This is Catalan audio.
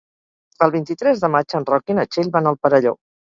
El vint-i-tres de maig en Roc i na Txell van al Perelló.